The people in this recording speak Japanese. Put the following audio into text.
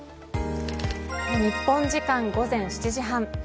日本時間午前７時半。